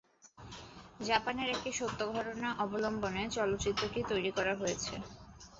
জাপানের একটি সত্য ঘটনা অবলম্বনে চলচ্চিত্রটি তৈরি করা হয়েছে।